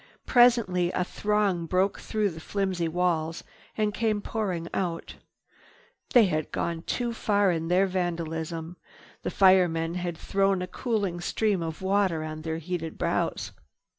Presently a throng broke through the flimsy walls and came pouring out. They had gone too far in their vandalism. The firemen had thrown a cooling stream of water on their heated brows.